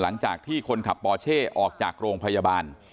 หลังจากที่คนขับปอเช่ออกจากโรงพยาบาล